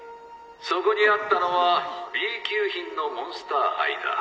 そこにあったのはＢ級品のモンスター胚だ。